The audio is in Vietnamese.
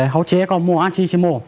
để hỗ trợ cho bà con